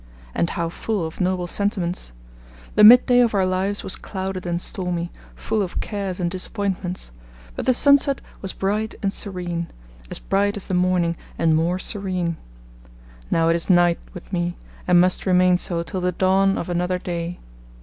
And how full of noble sentiments! The midday of our lives was clouded and stormy, full of cares and disappointments; but the sunset was bright and serene as bright as the morning, and more serene. Now it is night with me, and must remain so till the dawn of another day.